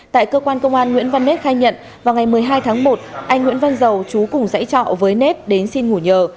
tại cơ quan công an nguyễn văn nết khai nhận vào ngày một mươi hai tháng một anh nguyễn văn dầu chú cùng dãy trọ với nét đến xin ngủ nhờ